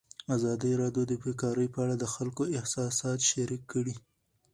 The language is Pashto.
ازادي راډیو د بیکاري په اړه د خلکو احساسات شریک کړي.